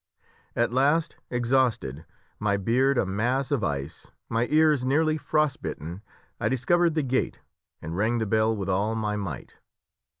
At last, exhausted, my beard a mass of ice, my ears nearly frostbitten, I discovered the gate and rang the bell with all my might.